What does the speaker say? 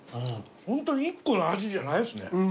ホントに一個の味じゃないですね。